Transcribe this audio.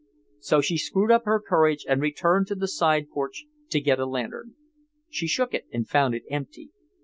So she screwed up her courage and returned to the side porch to get a lantern. She shook it and found it empty.